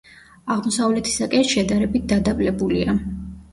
აღმოსავლეთისაკენ შედარებით დადაბლებულია.